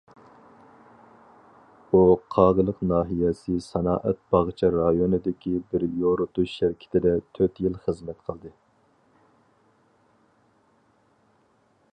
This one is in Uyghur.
ئۇ قاغىلىق ناھىيەسى سانائەت باغچە رايونىدىكى بىر يورۇتۇش شىركىتىدە تۆت يىل خىزمەت قىلدى.